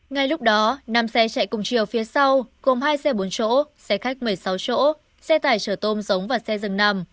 ngay lúc đó năm xe chạy cùng chiều phía sau gồm hai xe bốn chỗ xe khách một mươi sáu chỗ xe tải chở tôm giống và xe dừng nằm